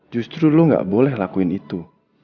justru lo gak boleh lakuin itu